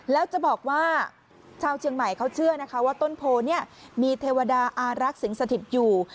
แล้วจะบอกว่าชาวเชียงใหม่เขาเชื่อนะคะว่าต้นโพเนี่ยมีเทวดาอารักษ์สิงสถิตอยู่